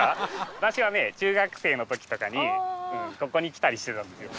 私はね中学生の時とかにここに来たりしてたんですよ。